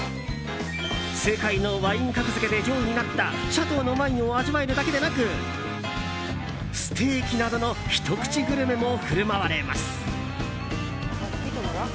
世界のワイン格付けで上位になったシャトーのワインを味わえるだけでなくステーキなどのひと口グルメも振る舞われます。